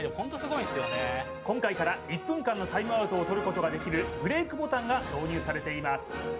今回から１分間のタイムアウトを取ることができるブレイクボタンが導入されています